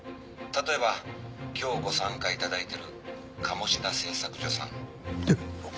「例えば今日ご参加頂いている鴨志田製作所さん」